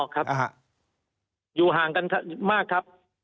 ครับอยู่ห่างกันมากครับ